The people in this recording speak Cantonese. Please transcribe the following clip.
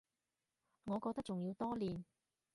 我覺得仲要多練